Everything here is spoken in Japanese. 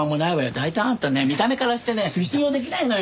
大体あんたね見た目からしてね信用できないのよ。